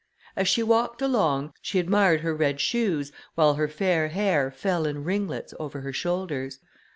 As she walked along, she admired her red shoes, while her fair hair fell in ringlets over her shoulders.